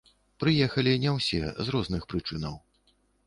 Прыехалі не ўсе, з розных прычынаў.